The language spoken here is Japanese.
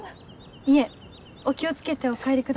いえお気を付けてお帰りください。